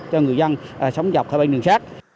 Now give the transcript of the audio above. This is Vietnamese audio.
cho người dân sống dọc khởi bệnh đường xác